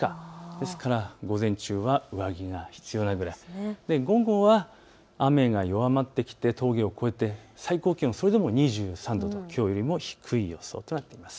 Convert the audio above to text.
ですから午前中は上着が必要なくらい、午後は雨が弱まってきて峠を越えて最高気温それでも２３度ときょうよりも低い予想となっています。